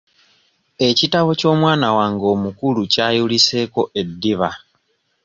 Ekitabo ky'omwana wange omukulu kyayuliseeko eddiba.